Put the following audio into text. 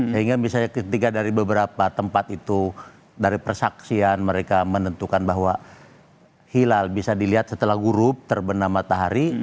sehingga misalnya ketika dari beberapa tempat itu dari persaksian mereka menentukan bahwa hilal bisa dilihat setelah grup terbenam matahari